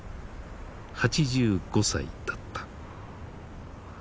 ８５歳だった。